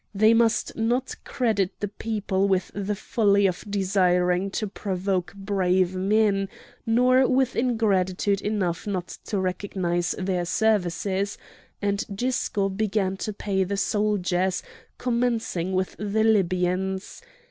They must not credit the people with the folly of desiring to provoke brave men, nor with ingratitude enough not to recognise their services; and Gisco began to pay the soldiers, commencing with the Libyans.